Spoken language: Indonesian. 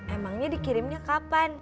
emangnya dikirimnya kapan